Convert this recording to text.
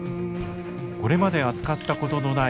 これまで扱ったことのない